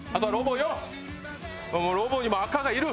ロボにも赤がいる。